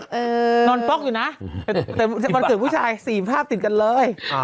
โตะแกะไว้นอนป๊อกอยู่นะละแต่วันเกิดผู้ชาย๔ภาพติดกันเลย